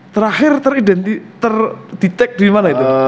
terakhir teridenti terdetek dimana itu